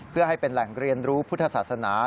เพื่อให้เป็นแหล่งเรียนรู้พุทธศาสนา